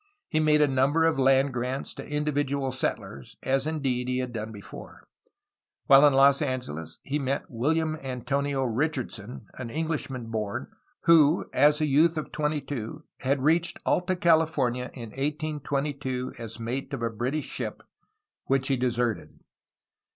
He made a number of land grants to individual settlers, as inded he had done before. While in Los Angeles he met Wilham Antonio Richardson, an Englishman born, who as a youth of twenty two had reached Alta California in 1822 as mate of a British ship, which he deserted.